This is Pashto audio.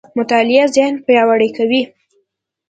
مطالعه ذهن پياوړی کوي.